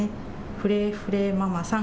フレーフレーママさん